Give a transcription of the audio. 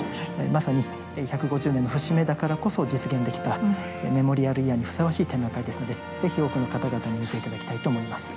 まさに１５０年の節目だからこそ実現できたメモリアルイヤーにふさわしい展覧会ですので是非多くの方々に見て頂きたいと思います。